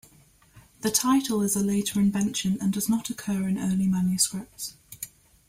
The title is a later invention and does not occur in early manuscripts.